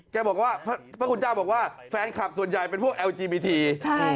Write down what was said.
แกบอกว่าพระคุณเจ้าบอกว่าแฟนคลับส่วนใหญ่เป็นพวกแอลจีบีที